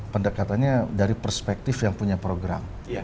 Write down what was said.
pendekatannya dari perspektif yang punya program